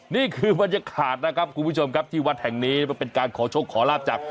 นี่คือบรรยากาศนะครับคุณผู้ชมครับที่วัดแห่งนี้มันเป็นการขอโชคขอลาบจาก